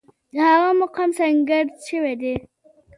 د هغه مقام څرګند شوی دی.